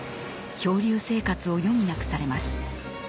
漂流生活を余儀なくされます。